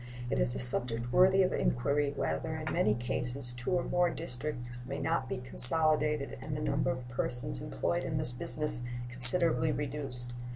It is a subject worthy of inquiry whether in many cases two or more districts may not be consolidated and the number of persons employed in this business considerably reduced.